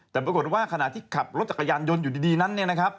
แต่ปรากฏว่าขณะที่ขับรถจักรยานยนต์อยู่ดีนั้น